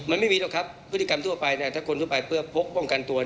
มันไม่มีหรอกครับพฤติกรรมทั่วไปเนี่ยถ้าคนทั่วไปเพื่อพกป้องกันตัว